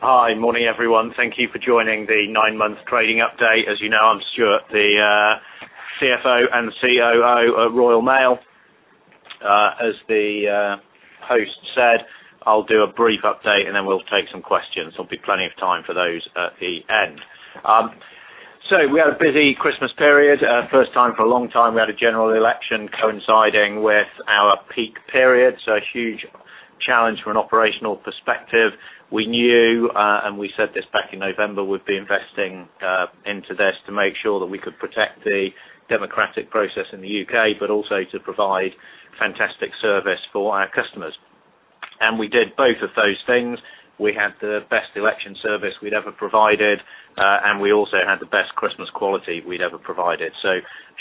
Hi. Morning, everyone. Thank you for joining the nine-month trading update. As you know, I'm Stuart, the CFO and COO of Royal Mail. As the host said, I'll do a brief update, and then we'll take some questions. There'll be plenty of time for those at the end. We had a busy Christmas period. First time for a long time, we had a general election coinciding with our peak period, so a huge challenge from an operational perspective. We knew, and we said this back in November, we'd be investing into this to make sure that we could protect the democratic process in the U.K., but also to provide fantastic service for our customers. We did both of those things. We had the best election service we'd ever provided, and we also had the best Christmas quality we'd ever provided.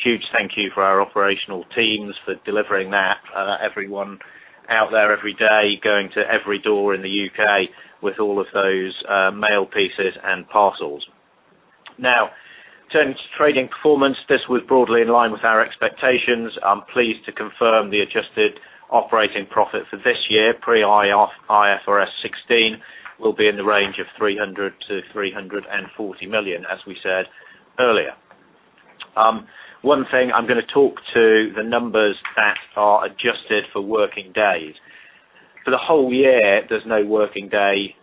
Huge thank you for our operational teams for delivering that. Everyone out there every day, going to every door in the U.K. with all of those mail pieces and parcels. Turning to trading performance, this was broadly in line with our expectations. I'm pleased to confirm the adjusted operating profit for this year, pre-IFRS 16, will be in the range of 300 million-340 million, as we said earlier. I'm going to talk to the numbers that are adjusted for working days. For the whole year, there's no working day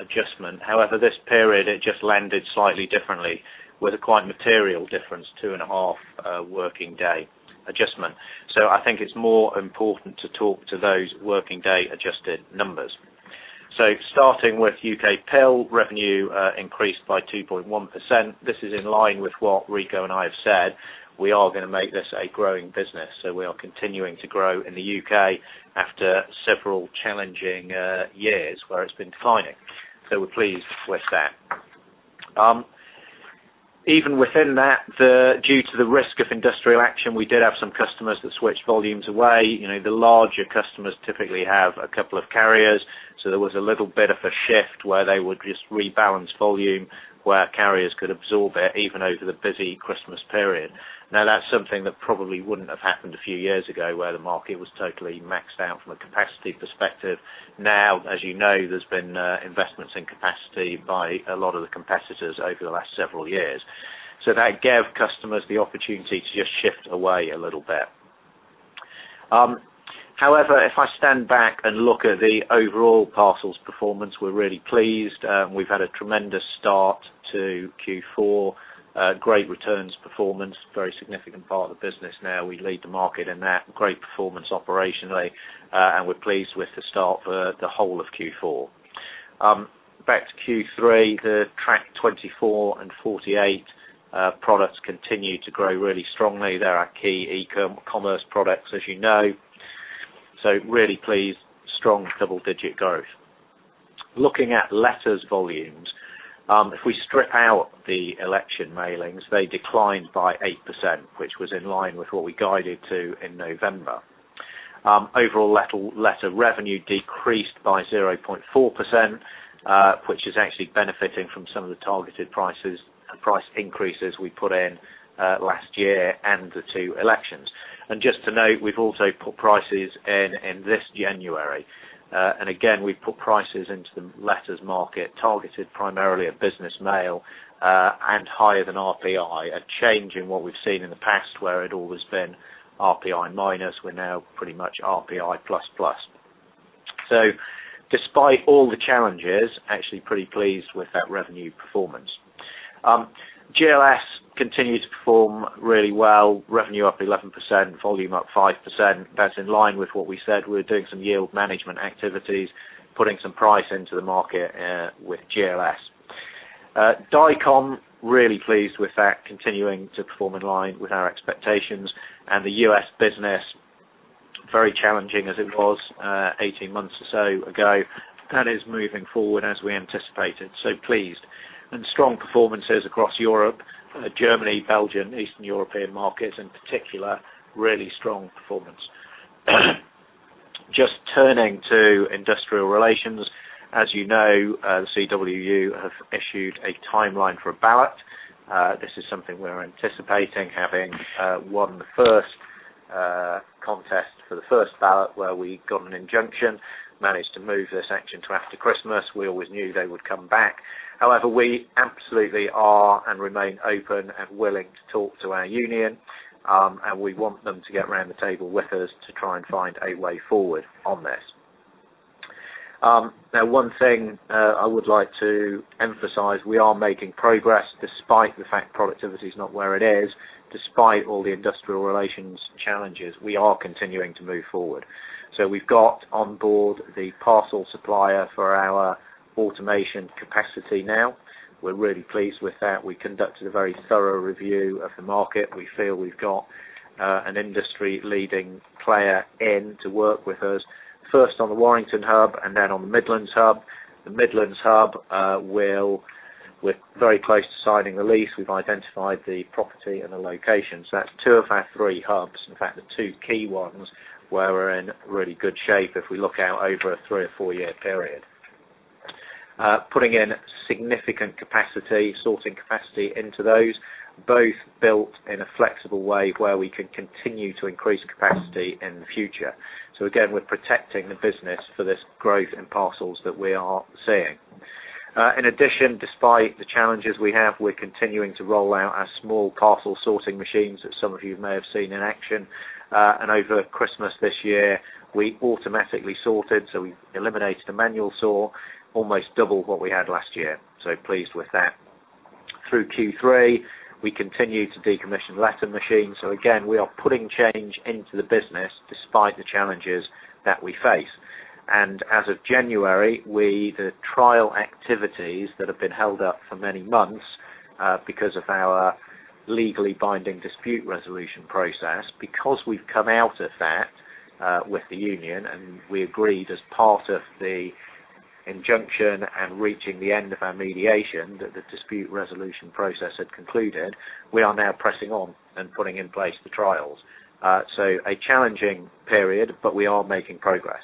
adjustment. However, this period, it just landed slightly differently with a quite material difference, two and a half working day adjustment. I think it's more important to talk to those working day adjusted numbers. Starting with UKPIL, revenue increased by 2.1%. This is in line with what Rico and I have said. We are going to make this a growing business. We are continuing to grow in the U.K. after several challenging years where it's been declining. We're pleased with that. Even within that, due to the risk of industrial action, we did have some customers that switched volumes away. The larger customers typically have a couple of carriers, so there was a little bit of a shift where they would just rebalance volume where carriers could absorb it, even over the busy Christmas period. That's something that probably wouldn't have happened a few years ago, where the market was totally maxed out from a capacity perspective. As you know, there's been investments in capacity by a lot of the competitors over the last several years. That gave customers the opportunity to just shift away a little bit. If I stand back and look at the overall parcels performance, we're really pleased. We've had a tremendous start to Q4. Great returns performance. Very significant part of the business now. We lead the market in that. Great performance operationally, and we're pleased with the start for the whole of Q4. Back to Q3, the Tracked 24 and 48 products continue to grow really strongly. They're our key e-commerce products, as you know. Really pleased. Strong double-digit growth. Looking at letters volumes, if we strip out the election mailings, they declined by 8%, which was in line with what we guided to in November. Overall letter revenue decreased by 0.4%, which is actually benefiting from some of the targeted price increases we put in last year and the two elections. Just to note, we've also put prices in in this January. Again, we put prices into the letters market targeted primarily at business mail, and higher than RPI, a change in what we've seen in the past where it always been RPI minus. We're now pretty much RPI++. Despite all the challenges, actually pretty pleased with that revenue performance. GLS continues to perform really well. Revenue up 11%, volume up 5%. That's in line with what we said. We're doing some yield management activities, putting some price into the market with GLS. Dicom, really pleased with that continuing to perform in line with our expectations. The U.S. business, very challenging as it was 18 months or so ago, that is moving forward as we anticipated. Pleased. Strong performances across Europe, Germany, Belgium, Eastern European markets in particular, really strong performance. Just turning to industrial relations. As you know, CWU have issued a timeline for a ballot. This is something we're anticipating having won the first contest for the first ballot, where we got an injunction, managed to move this action to after Christmas. We always knew they would come back. We absolutely are and remain open and willing to talk to our union, and we want them to get around the table with us to try and find a way forward on this. One thing I would like to emphasize, we are making progress despite the fact productivity is not where it is, despite all the industrial relations challenges. We are continuing to move forward. We've got on board the parcel supplier for our automation capacity now. We're really pleased with that. We conducted a very thorough review of the market. We feel we've got an industry-leading player in to work with us, first on the Warrington hub and then on the Midlands hub. The Midlands hub, we're very close to signing the lease. We've identified the property and the location. That's two of our three hubs. In fact, the two key ones where we're in really good shape if we look out over a three or four-year period. Putting in significant capacity, sorting capacity into those both built in a flexible way where we can continue to increase capacity in the future. Again, we're protecting the business for this growth in parcels that we are seeing. In addition, despite the challenges we have, we're continuing to roll out our small parcel sorting machines that some of you may have seen in action. Over Christmas this year, we automatically sorted, so we eliminated a manual sort, almost double what we had last year. Pleased with that. Through Q3, we continued to decommission letter machines. Again, we are putting change into the business despite the challenges that we face. As of January, the trial activities that have been held up for many months because of our legally binding dispute resolution process, because we've come out of that with the union and we agreed as part of the injunction and reaching the end of our mediation that the dispute resolution process had concluded, we are now pressing on and putting in place the trials. A challenging period, but we are making progress.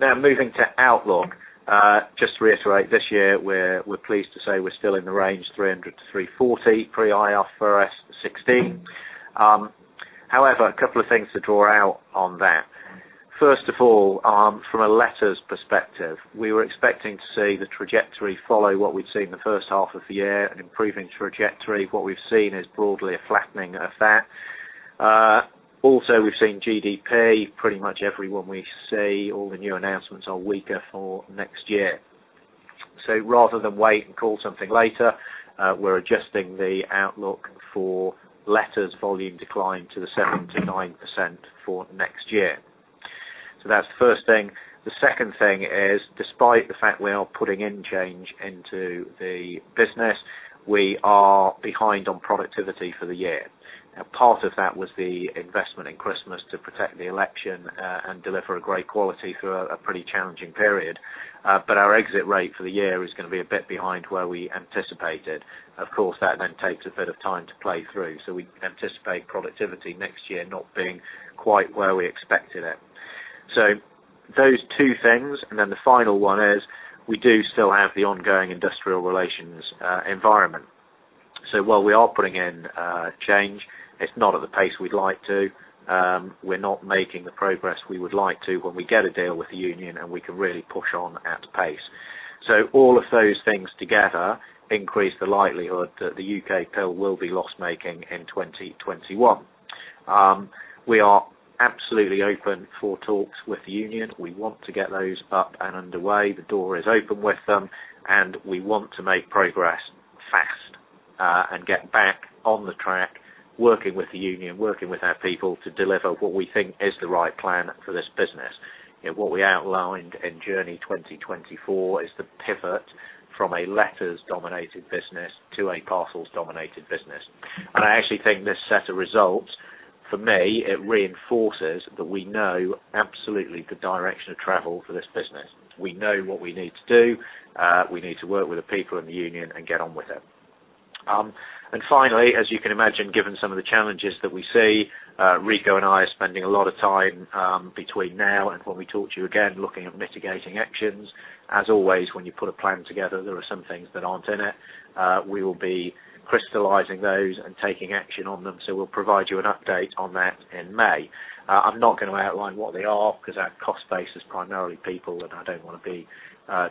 Moving to outlook. Just to reiterate, this year we're pleased to say we're still in the range 300 million-340 million pre-IFRS 16. A couple of things to draw out on that. First of all, from a letters perspective, we were expecting to see the trajectory follow what we'd seen the first half of the year, an improving trajectory. What we've seen is broadly a flattening of that. We've seen GDP, pretty much everyone we see, all the new announcements are weaker for next year. Rather than wait and call something later, we're adjusting the outlook for letters volume decline to the 7%-9% for next year. That's the first thing. The second thing is, despite the fact we are putting in change into the business, we are behind on productivity for the year. Part of that was the investment in Christmas to protect the election and deliver a great quality through a pretty challenging period. Our exit rate for the year is going to be a bit behind where we anticipated. Of course, that takes a bit of time to play through, we anticipate productivity next year not being quite where we expected it. Those two things, the final one is we do still have the ongoing industrial relations environment. While we are putting in change, it's not at the pace we'd like to. We're not making the progress we would like to when we get a deal with the union and we can really push on at pace. All of those things together increase the likelihood that the UKPIL will be loss-making in 2021. We are absolutely open for talks with the union. We want to get those up and underway. The door is open with them, and we want to make progress fast and get back on the track, working with the union, working with our people to deliver what we think is the right plan for this business. What we outlined in Journey 2024 is the pivot from a letters-dominated business to a parcels-dominated business. I actually think this set of results, for me, it reinforces that we know absolutely the direction of travel for this business. We know what we need to do. We need to work with the people in the union and get on with it. Finally, as you can imagine, given some of the challenges that we see, Rico and I are spending a lot of time between now and when we talk to you again, looking at mitigating actions. As always, when you put a plan together, there are some things that aren't in it. We will be crystallizing those and taking action on them. We'll provide you an update on that in May. I'm not going to outline what they are because that cost base is primarily people, and I don't want to be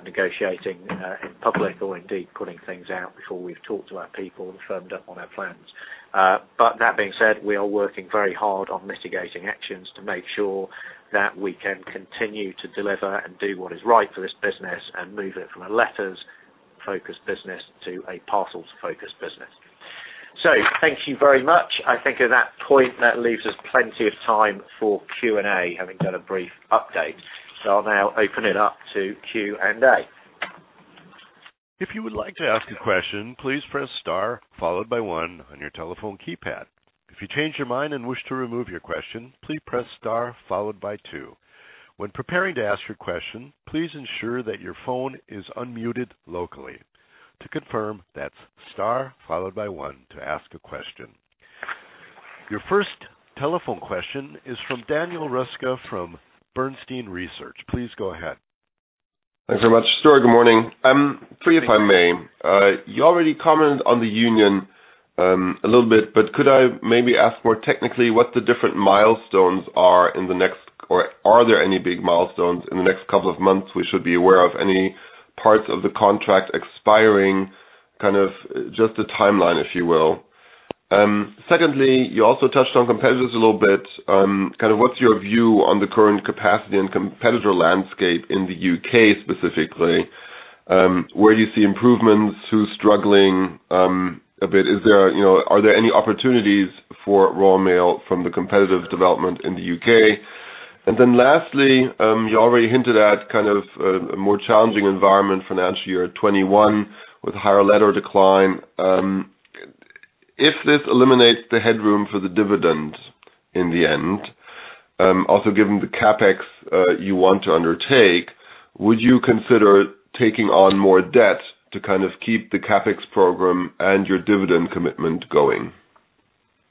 negotiating in public or indeed putting things out before we've talked to our people and firmed up on our plans. That being said, we are working very hard on mitigating actions to make sure that we can continue to deliver and do what is right for this business and move it from a letters-focused business to a parcels-focused business. Thank you very much. I think at that point, that leaves us plenty of time for Q&A, having done a brief update. I'll now open it up to Q&A. If you would like to ask a question, please press star followed by one on your telephone keypad. If you change your mind and wish to remove your question, please press star followed by two. When preparing to ask your question, please ensure that your phone is unmuted locally. To confirm, that's star followed by one to ask a question. Your first telephone question is from Daniel Roeska from Bernstein Research. Please go ahead. Thanks so much. Stuart, good morning. Three, if I may. You already commented on the union a little bit, but could I maybe ask more technically what the different milestones are in the next, or are there any big milestones in the next couple of months we should be aware of? Any parts of the contract expiring, kind of just a timeline, if you will? Secondly, you also touched on competitors a little bit. What's your view on the current capacity and competitor landscape in the U.K. specifically? Where do you see improvements? Who's struggling a bit? Are there any opportunities for Royal Mail from the competitive development in the U.K.? Lastly, you already hinted at kind of a more challenging environment for financial year 2021 with higher letter decline. If this eliminates the headroom for the dividend in the end, also given the CapEx you want to undertake, would you consider taking on more debt to keep the CapEx program and your dividend commitment going?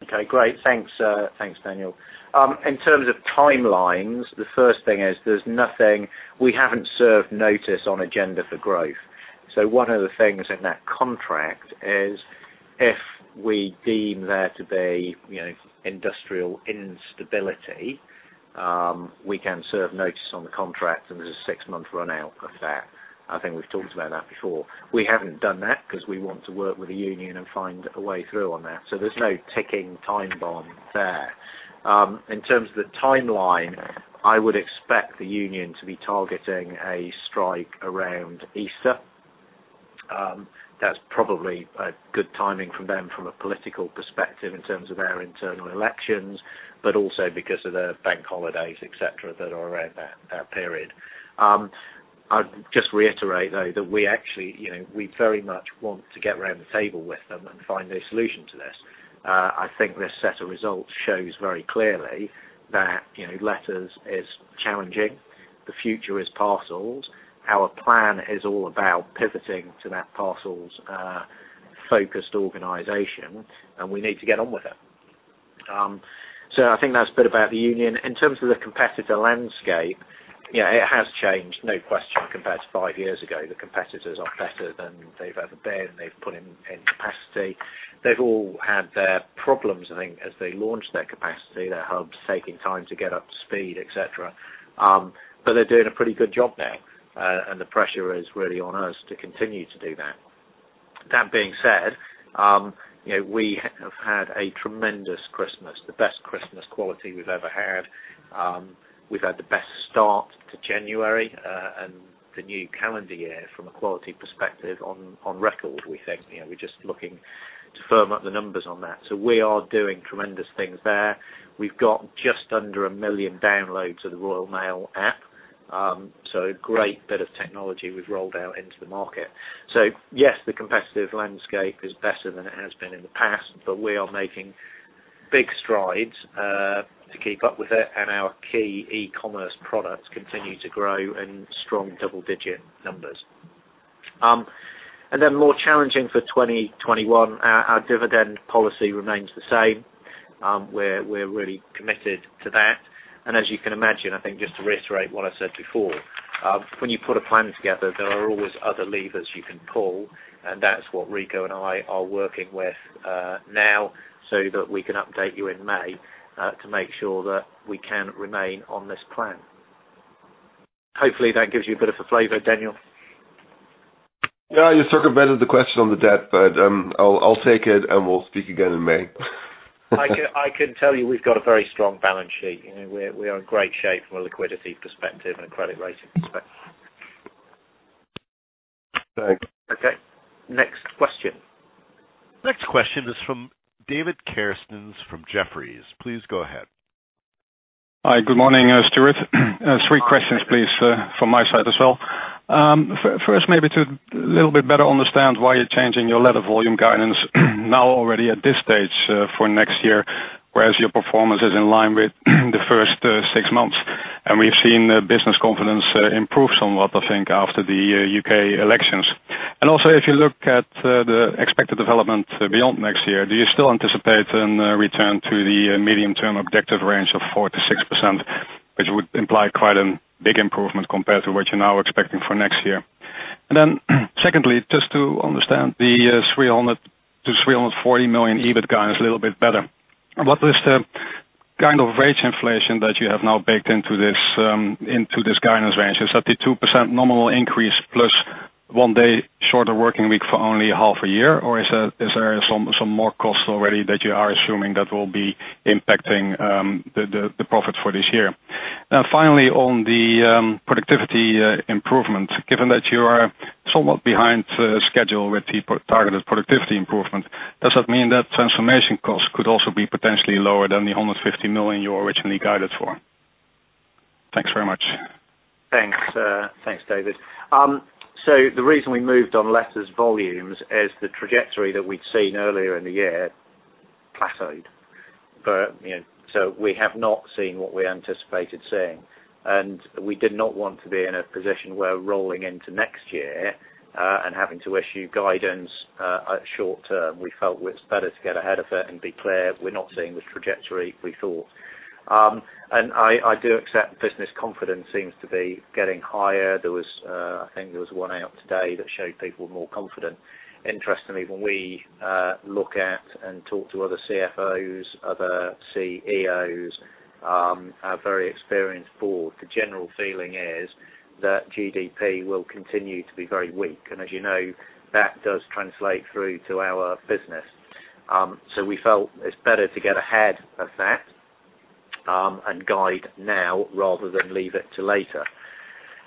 Okay, great. Thanks, Daniel. In terms of timelines, the first thing is we haven't served notice on Agenda for Growth. One of the things in that contract is if we deem there to be industrial instability, we can serve notice on the contract, and there's a six-month run out of that. I think we've talked about that before. We haven't done that because we want to work with the union and find a way through on that. There's no ticking time bomb there. In terms of the timeline, I would expect the union to be targeting a strike around Easter. That's probably a good timing from them from a political perspective in terms of their internal elections, but also because of the bank holidays, et cetera, that are around that period. I'd just reiterate, though, that we very much want to get around the table with them and find a solution to this. I think this set of results shows very clearly that letters is challenging, the future is parcels. Our plan is all about pivoting to that parcels-focused organization, and we need to get on with it. I think that's a bit about the union. In terms of the competitor landscape, it has changed, no question, compared to five years ago. The competitors are better than they've ever been. They've put in capacity. They've all had their problems, I think, as they launch their capacity, their hubs taking time to get up to speed, et cetera. They're doing a pretty good job now, and the pressure is really on us to continue to do that. That being said, we have had a tremendous Christmas, the best Christmas quality we've ever had. We've had the best start to January, and the new calendar year from a quality perspective on record, we think. We're just looking to firm up the numbers on that. We are doing tremendous things there. We've got just under 1 million downloads of the Royal Mail App. A great bit of technology we've rolled out into the market. Yes, the competitive landscape is better than it has been in the past, but we are making big strides to keep up with it, and our key e-commerce products continue to grow in strong double-digit numbers. More challenging for 2021, our dividend policy remains the same. We're really committed to that. As you can imagine, I think just to reiterate what I said before, when you put a plan together, there are always other levers you can pull, and that's what Rico and I are working with now so that we can update you in May to make sure that we can remain on this plan. Hopefully, that gives you a bit of a flavor, Daniel. Yeah, you circumvented the question on the debt, but I'll take it, and we'll speak again in May. I can tell you we've got a very strong balance sheet. We are in great shape from a liquidity perspective and a credit rating perspective. Thanks. Okay. Next question. Next question is from David Kerstens from Jefferies. Please go ahead. Hi. Good morning, Stuart. Three questions, please, from my side as well. First, maybe to a little bit better understand why you're changing your letter volume guidance now already at this stage for next year, whereas your performance is in line with the first six months, and we've seen business confidence improve somewhat, I think, after the U.K. elections. If you look at the expected development beyond next year, do you still anticipate a return to the medium-term objective range of 4%-6%, which would imply quite a big improvement compared to what you're now expecting for next year? Secondly, just to understand the 300 million-340 million EBIT guidance a little bit better. What is the kind of wage inflation that you have now baked into this guidance range? Is that the 2% normal increase plus one day shorter working week for only half a year? Is there some more costs already that you are assuming that will be impacting the profit for this year? Finally, on the productivity improvement, given that you are somewhat behind schedule with the targeted productivity improvement, does that mean that transformation costs could also be potentially lower than the 150 million you originally guided for? Thanks very much. Thanks, David. The reason we moved on letters volumes is the trajectory that we'd seen earlier in the year plateaued. We have not seen what we anticipated seeing, and we did not want to be in a position where rolling into next year and having to issue guidance short-term. We felt it's better to get ahead of it and be clear we're not seeing the trajectory we thought. I do accept business confidence seems to be getting higher. I think there was one out today that showed people more confident. Interestingly, when we look at and talk to other CFOs, other CEOs, our very experienced board, the general feeling is that GDP will continue to be very weak. As you know, that does translate through to our business. We felt it's better to get ahead of that and guide now rather than leave it to later.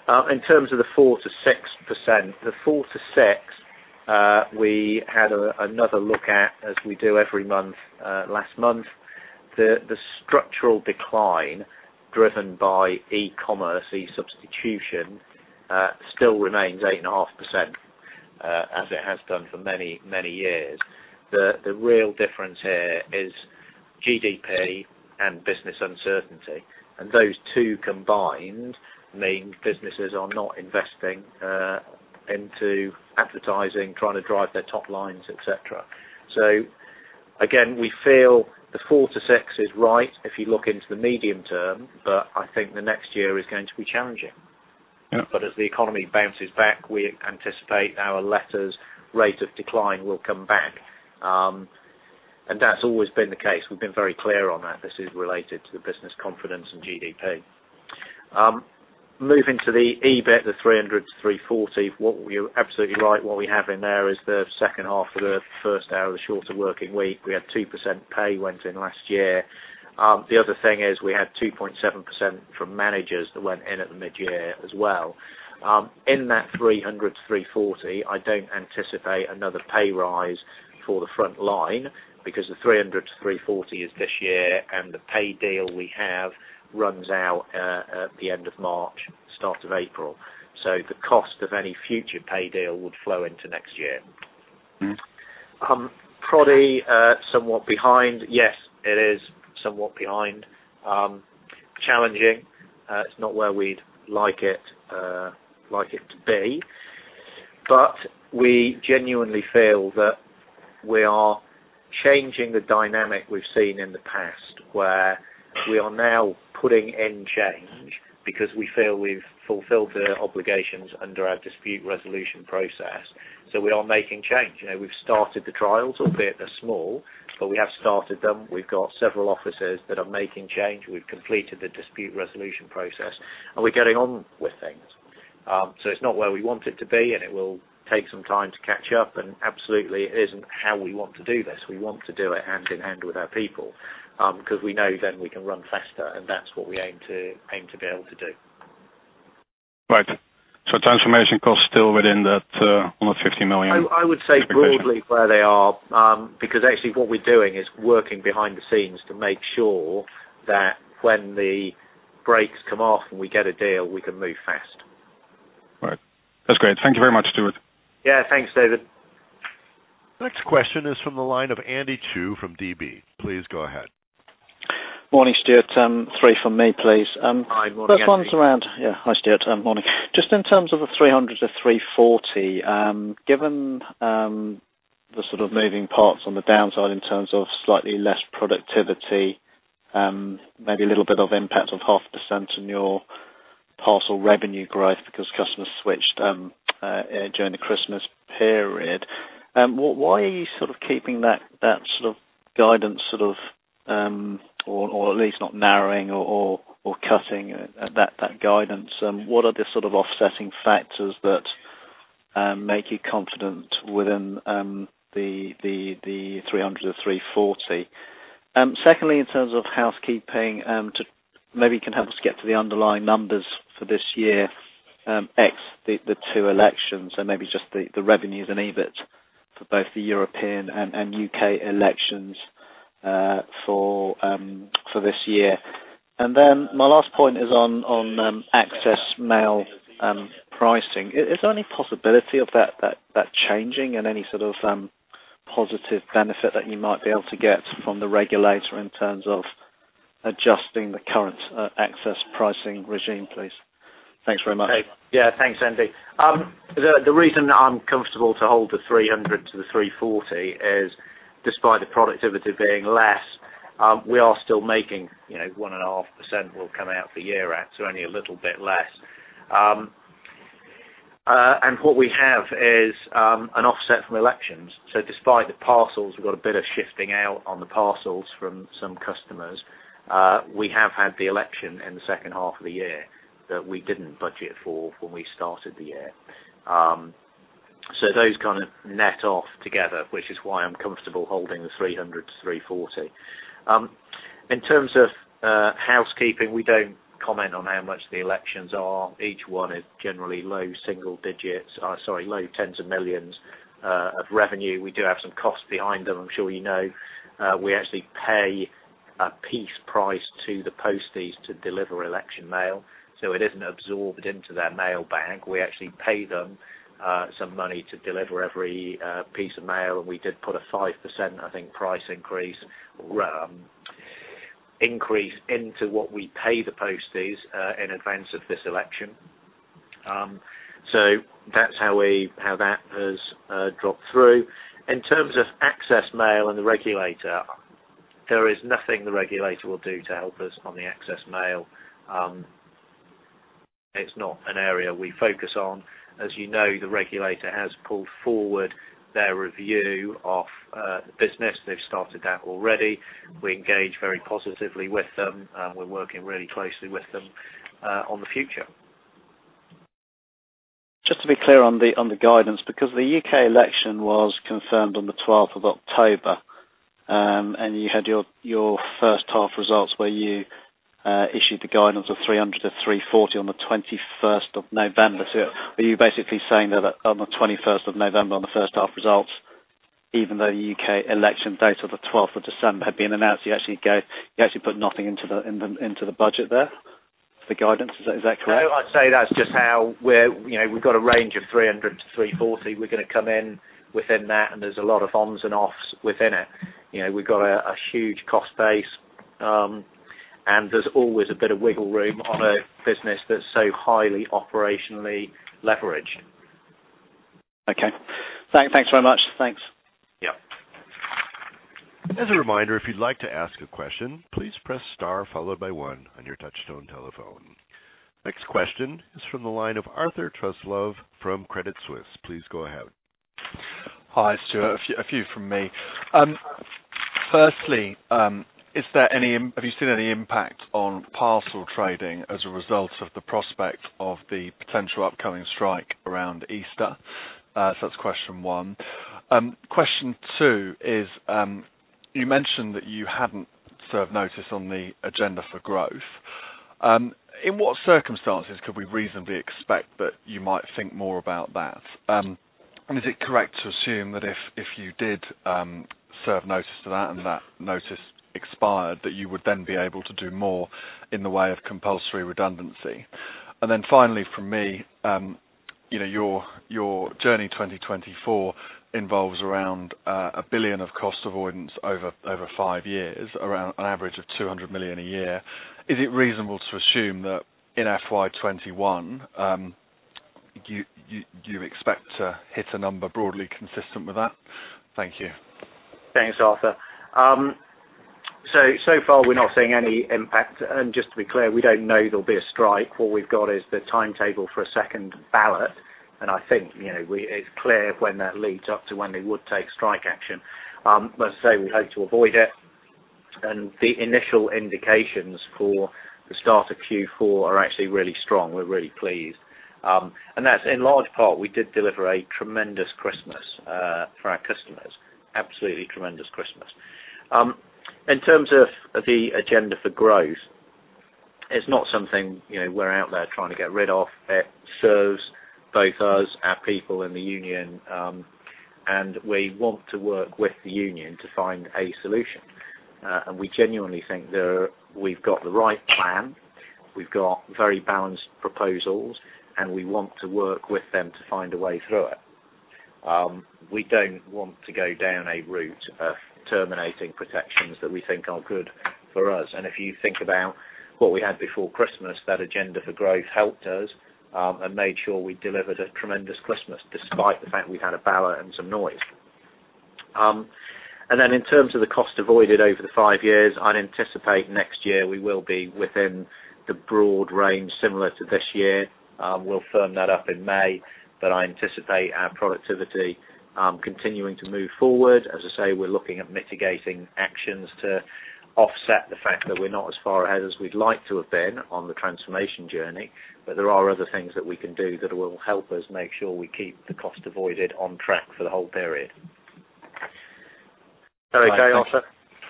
In terms of the 4%-6%, the 4%-6%, we had another look at, as we do every month, last month. The structural decline driven by e-commerce, e-substitution, still remains 8.5% as it has done for many years. The real difference here is GDP and business uncertainty. Those two combined mean businesses are not investing into advertising, trying to drive their top lines, et cetera. Again, we feel the 4%-6% is right if you look into the medium term, but I think the next year is going to be challenging. Yeah. As the economy bounces back, we anticipate our letters rate of decline will come back. That's always been the case. We've been very clear on that. This is related to the business confidence in GDP. Moving to the EBIT, the 300 million-340 million. You're absolutely right. What we have in there is the second half of the first hour of the shorter working week. We had 2% pay went in last year. The other thing is we had 2.7% from managers that went in at the mid-year as well. In that 300 million-340 million, I don't anticipate another pay rise for the front line because the 300 million-340 million is this year, and the pay deal we have runs out at the end of March, start of April. The cost of any future pay deal would flow into next year. Productivity, somewhat behind. Yes, it is somewhat behind. Challenging. It's not where we'd like it to be. We genuinely feel that we are changing the dynamic we've seen in the past, where we are now putting in change because we feel we've fulfilled the obligations under our dispute resolution process. We are making change. We've started the trials, albeit they're small, but we have started them. We've got several offices that are making change. We've completed the dispute resolution process, and we're getting on with things. It's not where we want it to be, and it will take some time to catch up, and absolutely it isn't how we want to do this. We want to do it hand in hand with our people, because we know then we can run faster, and that's what we aim to be able to do. Right. transformation costs still within that 150 million? I would say broadly where they are, because actually what we're doing is working behind the scenes to make sure that when the brakes come off and we get a deal, we can move fast. Right. That's great. Thank you very much, Stuart. Yeah. Thanks, David. Next question is from the line of Andy Chu from DB. Please go ahead. Morning, Stuart. Three from me, please. Hi, morning, Andy. First one's around. Hi, Stuart. Morning. In terms of the 300 million-340 million, given the sort of moving parts on the downside in terms of slightly less productivity, maybe a little bit of impact of 0.5% on your parcel revenue growth because customers switched during the Christmas period. Why are you keeping that sort of guidance, or at least not narrowing or cutting that guidance? What are the sort of offsetting factors that make you confident within the 300 million-340 million? Secondly, in terms of housekeeping, maybe you can help us get to the underlying numbers for this year, ex the two elections and maybe just the revenues and EBIT for both the European and U.K. elections for this year. My last point is on access mail pricing. Is there any possibility of that changing and any sort of positive benefit that you might be able to get from the regulator in terms of adjusting the current access pricing regime, please? Thanks very much. Okay. Yeah, thanks, Andy. The reason I'm comfortable to hold the 300 million-340 million is despite the productivity being less, we are still making 1.5% will come out for year end, so only a little bit less. What we have is an offset from elections. Despite the parcels, we've got a bit of shifting out on the parcels from some customers. We have had the election in the second half of the year that we didn't budget for when we started the year. Those kind of net off together, which is why I'm comfortable holding the 300 million-340 million. In terms of housekeeping, we don't comment on how much the elections are. Each one is generally low tens of millions of revenue. We do have some costs behind them, I'm sure you know. We actually pay a piece price to the posties to deliver election mail, so it isn't absorbed into their mailbag. We actually pay them some money to deliver every piece of mail, and we did put a 5%, I think, price increase into what we pay the posties in advance of this election. That's how that has dropped through. In terms of access mail and the regulator, there is nothing the regulator will do to help us on the access mail. It's not an area we focus on. As you know, the regulator has pulled forward their review of the business. They've started that already. We engage very positively with them. We're working really closely with them on the future. Just to be clear on the guidance, because the U.K. election was confirmed on the 12th of October, and you had your first half results where you issued the guidance of 300 million-340 million on the 21st of November. Are you basically saying that on the 21st of November, on the first half results, even though the U.K. election date of the 12th of December had been announced, you actually put nothing into the budget there for the guidance? Is that correct? I'd say that's just how we've got a range of 300 million-340 million. We're going to come in within that, and there's a lot of ons and offs within it. We've got a huge cost base. There's always a bit of wiggle room on a business that's so highly operationally leveraged. Okay. Thanks very much. Thanks. Yeah. As a reminder, if you'd like to ask a question, please press star, followed by one on your touchtone telephone. Next question is from the line of Arthur Truslove from Credit Suisse. Please go ahead. Hi, Stuart. A few from me. Firstly, have you seen any impact on parcel trading as a result of the prospect of the potential upcoming strike around Easter? That's question one. Question two is, you mentioned that you hadn't served notice on the Agenda for Growth. In what circumstances could we reasonably expect that you might think more about that? Is it correct to assume that if you did serve notice to that and that notice expired, that you would then be able to do more in the way of compulsory redundancy? Finally from me, your Journey 2024 involves around 1 billion of cost avoidance over five years, around an average of 200 million a year. Is it reasonable to assume that in FY 2021, you expect to hit a number broadly consistent with that? Thank you. Thanks Arthur. So far we're not seeing any impact. Just to be clear, we don't know there'll be a strike. What we've got is the timetable for a second ballot, and I think it's clear when that leads up to when they would take strike action. As I say, we hope to avoid it, and the initial indications for the start of Q4 are actually really strong. We're really pleased. That's in large part, we did deliver a tremendous Christmas for our customers. Absolutely tremendous Christmas. In terms of the Agenda for Growth, it's not something we're out there trying to get rid of. It serves both us, our people in the union, and we want to work with the union to find a solution. We genuinely think we've got the right plan, we've got very balanced proposals, and we want to work with them to find a way through it. We don't want to go down a route of terminating protections that we think are good for us. If you think about what we had before Christmas, that Agenda for Growth helped us, and made sure we delivered a tremendous Christmas, despite the fact we've had a ballot and some noise. In terms of the cost avoided over the five years, I'd anticipate next year we will be within the broad range similar to this year. We'll firm that up in May, but I anticipate our productivity continuing to move forward. As I say, we're looking at mitigating actions to offset the fact that we're not as far ahead as we'd like to have been on the transformation Journey. There are other things that we can do that will help us make sure we keep the cost avoided on track for the whole period. Is that okay, Arthur?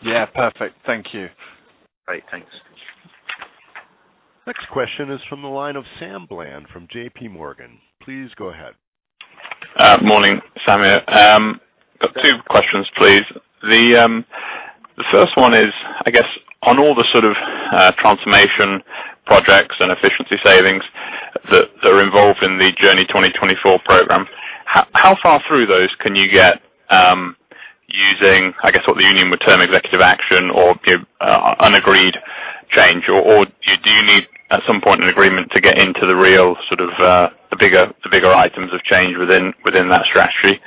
Yeah, perfect. Thank you. Great. Thanks. Next question is from the line of Sam Bland from JPMorgan. Please go ahead. Morning. Sam here. Got two questions, please. The first one is, I guess on all the sort of transformation projects and efficiency savings that are involved in the Journey 2024 program, how far through those can you get using, I guess what the union would term executive action or un-agreed change? Do you need at some point an agreement to get into the real sort of the bigger items of change within that strategy?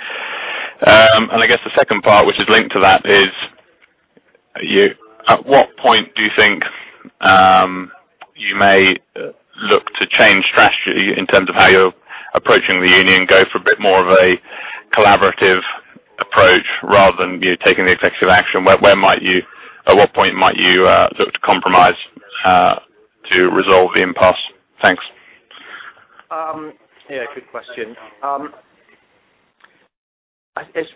I guess the second part, which is linked to that is, at what point do you think you may look to change strategy in terms of how you're approaching the union, go for a bit more of a collaborative approach rather than you taking the executive action? At what point might you look to compromise to resolve the impasse? Thanks. Yeah, good question.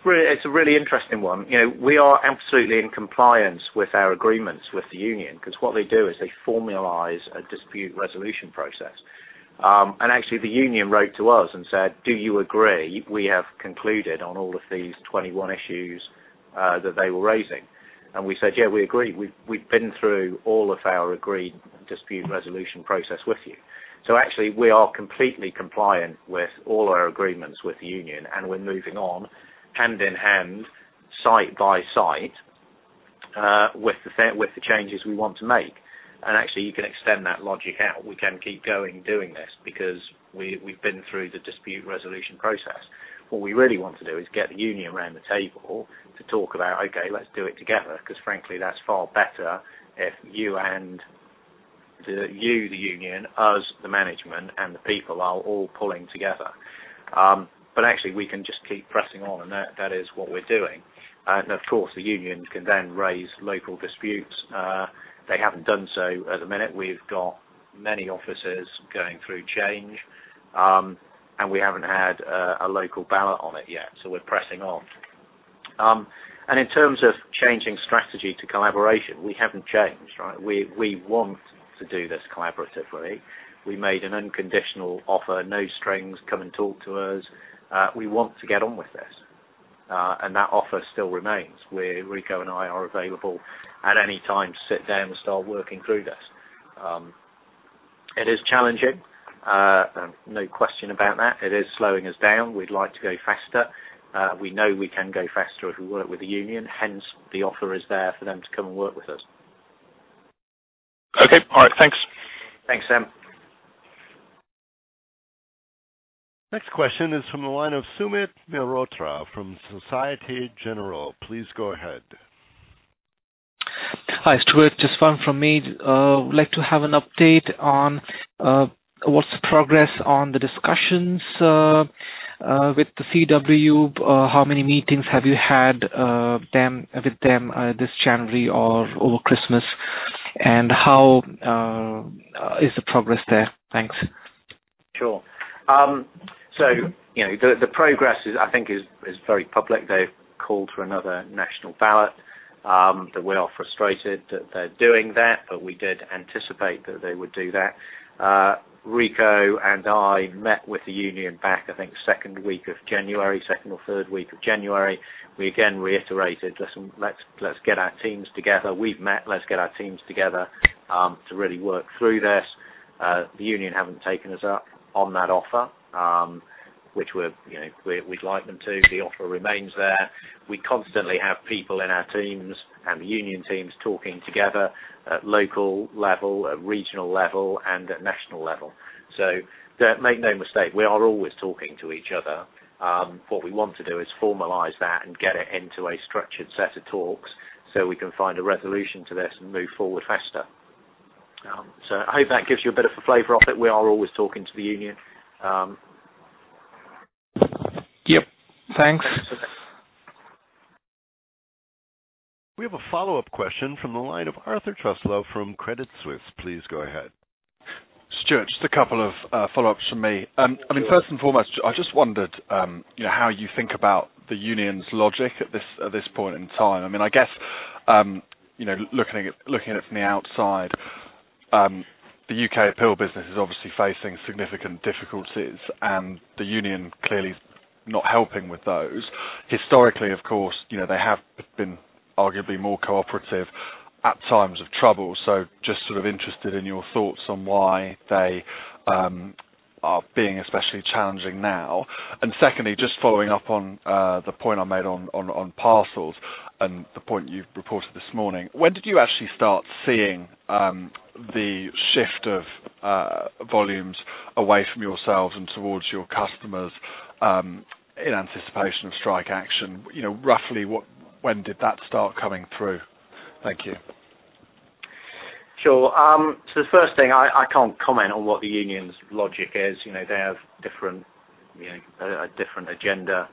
It's a really interesting one. We are absolutely in compliance with our agreements with the union, because what they do is they formalize a dispute resolution process. Actually the union wrote to us and said, "Do you agree? We have concluded on all of these 21 issues," that they were raising. We said, "Yeah, we agree. We've been through all of our agreed dispute resolution process with you." Actually, we are completely compliant with all our agreements with the union, and we're moving on hand in hand, site by site, with the changes we want to make. Actually, you can extend that logic out. We can keep going doing this because we've been through the dispute resolution process. What we really want to do is get the union around the table to talk about, okay, let's do it together. Frankly, that's far better if you the union, us the management, and the people are all pulling together. Actually, we can just keep pressing on, and that is what we're doing. Of course, the union can then raise local disputes. They haven't done so at the minute. We've got many offices going through change, and we haven't had a local ballot on it yet, so we're pressing on. In terms of changing strategy to collaboration, we haven't changed, right? We want to do this collaboratively. We made an unconditional offer, no strings, come and talk to us. We want to get on with this. That offer still remains. Where Rico and I are available at any time to sit down and start working through this. It is challenging. No question about that. It is slowing us down. We'd like to go faster. We know we can go faster if we work with the union, hence the offer is there for them to come and work with us. Okay. All right. Thanks. Thanks, Sam. Next question is from the line of Sumit Mehrotra from Société Générale. Please go ahead. Hi, Stuart. Just one from me. Would like to have an update on what's the progress on the discussions with the CWU. How many meetings have you had with them this January or over Christmas? How is the progress there? Thanks. Sure. The progress I think is very public. They've called for another national ballot. We are frustrated that they're doing that, but we did anticipate that they would do that. Rico and I met with the union back, I think, second week of January, second or third week of January. We again reiterated, "Listen, let's get our teams together. We've met. Let's get our teams together to really work through this." The union haven't taken us up on that offer, which we'd like them to. The offer remains there. We constantly have people in our teams and the union teams talking together at local level, at regional level, and at national level. Make no mistake, we are always talking to each other. What we want to do is formalize that and get it into a structured set of talks so we can find a resolution to this and move forward faster. I hope that gives you a bit of a flavor of it. We are always talking to the union. Yep. Thanks. Thanks. We have a follow-up question from the line of Arthur Truslove from Credit Suisse. Please go ahead. Stuart, just a couple of follow-ups from me. First and foremost, I just wondered how you think about the union's logic at this point in time. I guess, looking at it from the outside, the UKPIL business is obviously facing significant difficulties. The union clearly is not helping with those. Historically, of course, they have been arguably more cooperative at times of trouble. Just sort of interested in your thoughts on why they are being especially challenging now. Secondly, just following up on the point I made on parcels and the point you've reported this morning. When did you actually start seeing the shift of volumes away from yourselves and towards your customers, in anticipation of strike action? Roughly, when did that start coming through? Thank you. Sure. The first thing, I can't comment on what the union's logic is. They have a different agenda.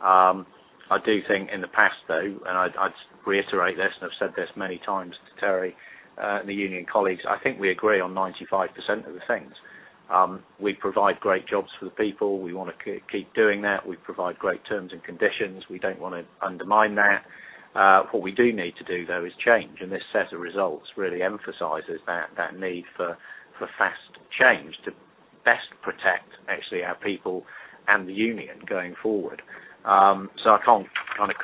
I do think in the past, though, and I reiterate this and I've said this many times to Terry, and the union colleagues, I think we agree on 95% of the things. We provide great jobs for the people. We want to keep doing that. We provide great terms and conditions. We don't want to undermine that. What we do need to do, though, is change. This set of results really emphasizes that need for fast change to best protect, actually, our people and the union going forward. I can't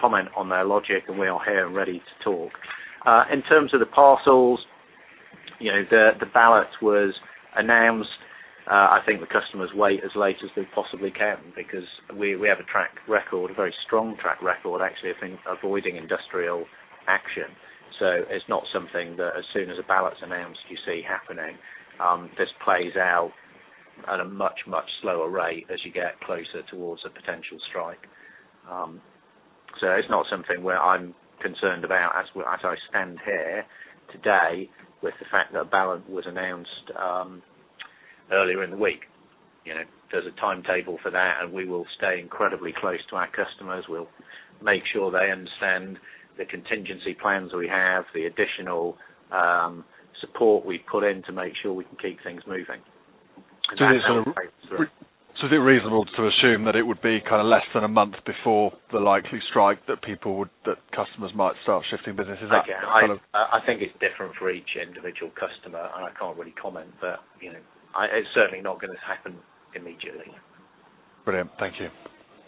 comment on their logic, and we are here and ready to talk. In terms of the parcels, the ballot was announced. I think the customers wait as late as they possibly can because we have a very strong track record, actually, of avoiding industrial action. It's not something that as soon as a ballot's announced, you see happening. This plays out at a much, much slower rate as you get closer towards a potential strike. It's not something where I'm concerned about as I stand here today with the fact that a ballot was announced earlier in the week. There's a timetable for that, and we will stay incredibly close to our customers. We'll make sure they understand the contingency plans we have, the additional support we put in to make sure we can keep things moving. That kind of plays through. Is it reasonable to assume that it would be less than a month before the likely strike that customers might start shifting businesses out? Again, I think it's different for each individual customer, and I can't really comment, but it's certainly not going to happen immediately. Brilliant. Thank you.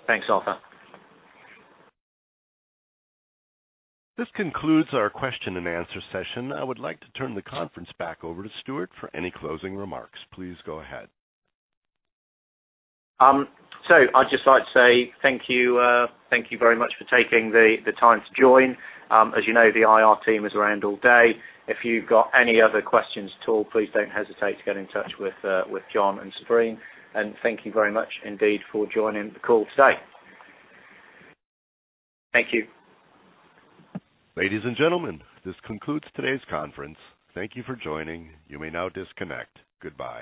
Thanks, Arthur. This concludes our question and answer session. I would like to turn the conference back over to Stuart for any closing remarks. Please go ahead. I'd just like to say thank you very much for taking the time to join. As you know, the IR team is around all day. If you've got any other questions at all, please don't hesitate to get in touch with John and Sabrine. Thank you very much indeed for joining the call today. Thank you. Ladies and gentlemen, this concludes today's conference. Thank you for joining. You may now disconnect. Goodbye.